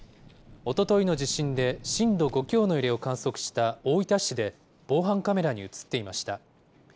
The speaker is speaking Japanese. おとといの地震で、震度５強の揺れを観測した大分市で、防犯カメラに写っていました。